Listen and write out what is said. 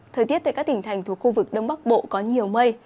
thời tiết tại các tỉnh thành thuộc khu vực đông bắc bộ có nhiều mây